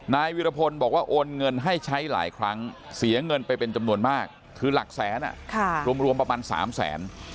นายวิรพลบอกว่าโอนเงินให้ใช้หลายครั้งเสียเงินไปเป็นจำนวนมากคือหลักแสนรวมประมาณ๓แสน